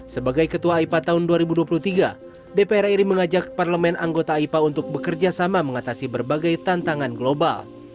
sebagai ketua aipa tahun dua ribu dua puluh tiga dpr ri mengajak parlemen anggota aipa untuk bekerja sama mengatasi berbagai tantangan global